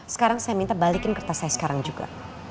sekarang saya minta balikin kertas saya sekarang juga